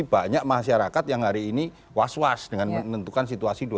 banyak masyarakat yang hari ini was was dengan menentukan situasi dua ribu dua puluh